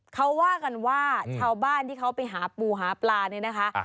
เขาว่ากันว่าชาวบ้านที่เขาไปหาปูหาปลาเนี่ยนะคะ